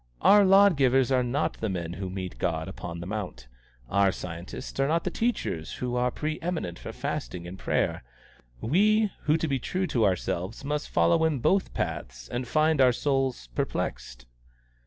Our law givers are not the men who meet God upon the mount. Our scientists are not the teachers who are pre eminent for fasting and prayer. We who to be true to ourselves must follow in both paths find our souls perplexed."